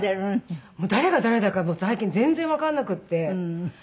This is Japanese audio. もう誰が誰だか最近全然わかんなくって。